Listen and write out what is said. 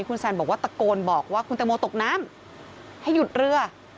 คุณแซนบอกว่าตะโกนบอกว่าคุณตังโมตกน้ำให้หยุดเรือ